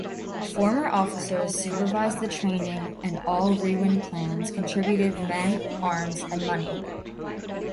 Former officers supervised the training and all Reewin clans contributed men, arms, and money.